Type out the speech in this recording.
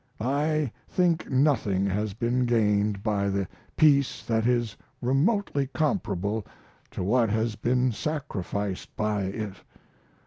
I think nothing has been gained by the peace that is remotely comparable to what has been sacrificed by it.